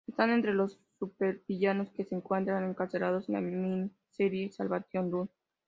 Están entre los supervillanos que se encuentran encarcelados en la mini-serie "Salvation Run".